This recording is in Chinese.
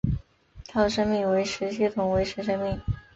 靠生命维持系统维持生命。